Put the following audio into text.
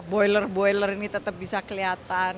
boiler boiler ini tetap bisa kelihatan